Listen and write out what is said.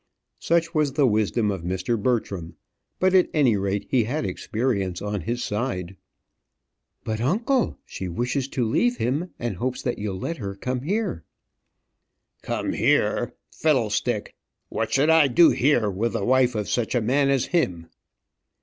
Such was the wisdom of Mr. Bertram, and at any rate he had experience on his side. "But, uncle; she wishes to leave him, and hopes that you'll let her come here." "Come here fiddlestick! What should I do here with the wife of such a man as him?"